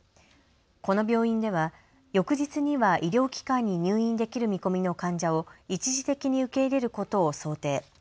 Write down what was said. この病院では翌日には医療機関に入院できる見込みの患者を一時的に受け入れることを想定。